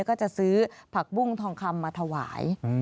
ก็จะซื้อผักบุ้งทองคำมาถวาย